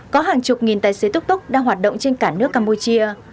có hàng chục nghìn tài xế túc túc đang hoạt động trên cả nước campuchia